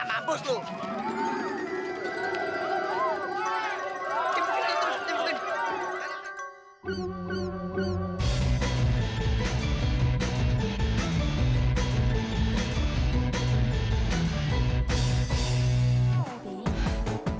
ah mampus lu